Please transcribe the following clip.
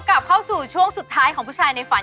กลับเข้าสู่ช่วงสุดท้ายของผู้ชายในฝัน